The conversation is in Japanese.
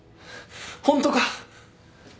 ホントか？